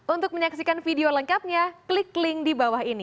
untuk menyaksikan video lengkapnya klik link di bawah ini